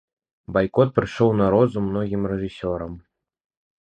Байкот прыйшоў на розум многім рэжысёрам.